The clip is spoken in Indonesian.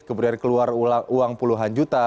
kemudian keluar uang puluhan juta